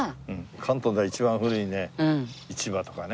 関東では一番古いね市場とかね。